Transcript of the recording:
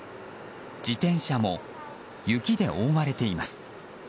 自転車も雪で覆われています。